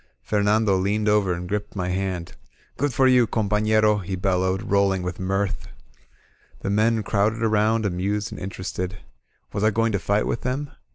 Fernando leaned over and gripped my hand. Grood for you, com pafleroV* he bellowed, rolling with mirth. The men crowded around, amused and interested. Was I going to fight with them?